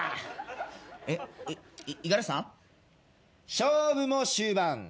勝負も終盤。